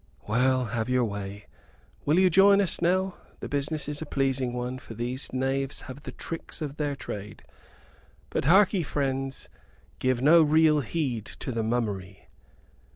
Well, have your way. Will you join us, Nell the business is a pleasing one, for these knaves have the tricks of their trade. But harkee, friends, give no real heed to the mummery."